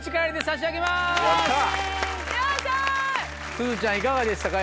すずちゃんいかがでしたか？